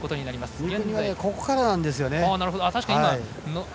宇津木はここからなんですよね。